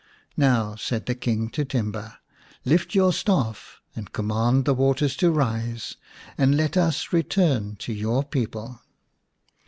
"Now," said the King to Timba, "lift your staff and command the waters to rise, and let us return to your people."